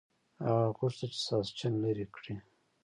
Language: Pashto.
هغه غوښتل چې ساسچن لرې کړي.